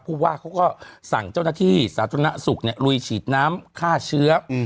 ผู้ว่าเขาก็สั่งเจ้าหน้าที่สาธารณสุขลุยฉีดน้ำฆ่าเชื้อ